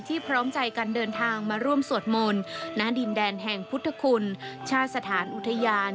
พร้อมใจกันเดินทางมาร่วมสวดมนต์ณดินแดนแห่งพุทธคุณชาติสถานอุทยาน